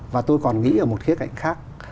và tôi còn nghĩ ở một khía cạnh khác